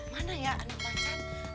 mana ya anak pacar